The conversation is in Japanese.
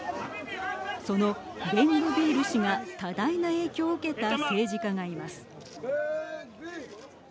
そのベングビール氏が多大な影響を受けた政治家がいます。